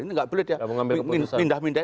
ini tidak boleh dia pindah pindahin